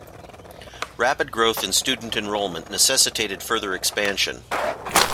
Rapid growth in student enrollment necessitated further expansion.